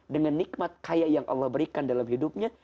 dengan nikmat kaya yang allah berikan dalam hidupnya